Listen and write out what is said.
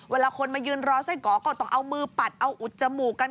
เวลาคนมายืนรอไส้กอกก็ต้องเอามือปัดเอาอุดจมูกกัน